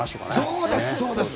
そうです、そうです。